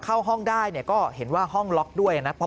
เข้าห้องได้ก็เห็นว่าห้องล็อกด้วยนะ